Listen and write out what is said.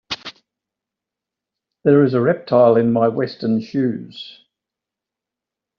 There is a reptile in my western shoes.